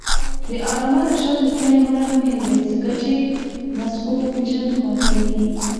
د علامه رشاد لیکنی هنر مهم دی ځکه چې نسخوپېژندنه کوي.